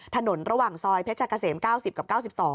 ถนนระหว่างซอยเพชรกะเสม๙๐กับ๙๒